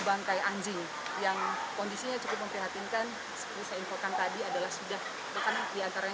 bangkai anjing yang kondisinya cukup memperhatinkan seperti saya infokan tadi adalah sudah bukan diantaranya